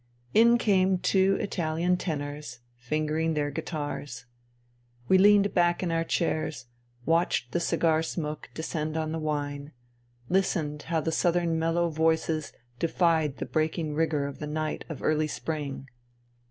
... In came two Italian tenors, fingering their guitars. We leaned back in our chairs, watched the cigar smoke descend on the wine, listened how the southern mellow voices defied the breaking rigour of the night of early spring.